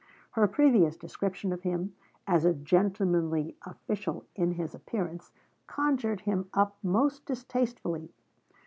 Her previous description of, him, as a 'gentlemanly official' in his appearance, conjured him up most distastefully.